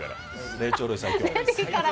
霊長類最強から。